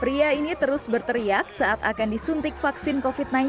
pria ini terus berteriak saat akan disuntik vaksin covid sembilan belas